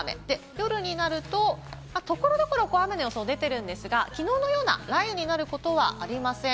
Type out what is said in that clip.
夜になると所々、雨の予想が出てるんですが、きのうのような雷雨になることはありません。